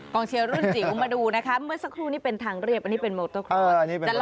เชียร์รุ่นจิ๋วมาดูนะคะเมื่อสักครู่นี้เป็นทางเรียบอันนี้เป็นโมโตโคตร